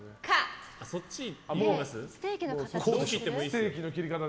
ステーキの切り方で。